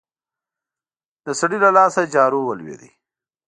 د سړي له لاسه جارو ولوېده.